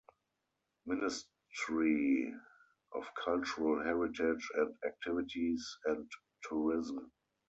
Ministry of Cultural Heritage and Activities and Tourism.